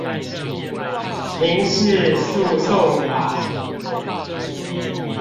民事訴訟法